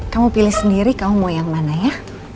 kamu pilih sendiri kamu mau yang mana ya